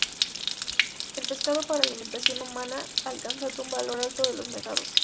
Es pescado para alimentación humana, alcanzando un valor alto en los mercados.